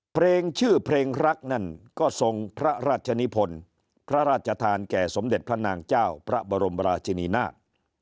เพลงชื่อเพลงรักนั่นก็ทรงพระราชนิพลพระราชทานแก่สมเด็จพระนางเจ้าพระบรมราชินีนาฏ